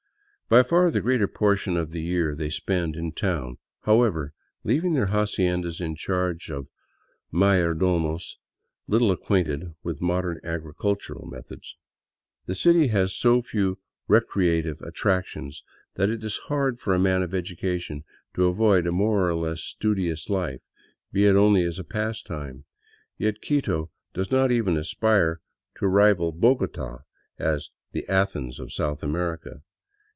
By far the greater portion of the year they spend in town, however, leaving their haciendas in charge of mayordomos little acquainted with modern agricultural methods. The city has so few recreative attractions that it is hard for a man of education to avoid a more or less studious life, be it only as a pastime. Yet Quito does not even aspire to rival Bogota as the " Athens of South America."